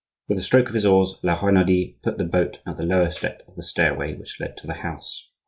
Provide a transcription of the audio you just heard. With a stroke of his oars La Renaudie put the boat at the lower step of the stairway which led to the house.